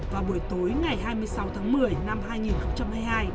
vào buổi tối ngày hai mươi sáu tháng một mươi năm hai nghìn hai mươi hai